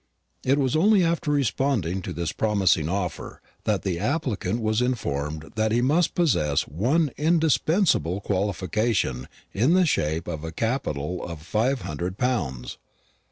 It was only after responding to this promising offer that the applicant was informed that he must possess one indispensable qualification in the shape of a capital of five hundred pounds.